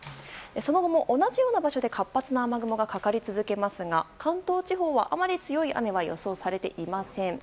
その後も同じような場所で活発な雨雲がかかり続けますが関東地方はあまり強い雨は予想されていません。